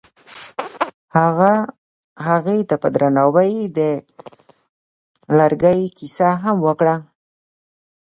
هغه هغې ته په درناوي د لرګی کیسه هم وکړه.